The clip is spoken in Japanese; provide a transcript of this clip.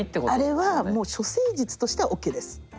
あれはもう処世術としてはＯＫです。